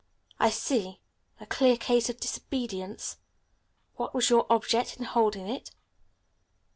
"I see; a clear case of disobedience. What was your object in holding it?"